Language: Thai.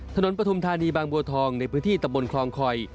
ปฐุมธานีบางบัวทองในพื้นที่ตะบนคลองคอย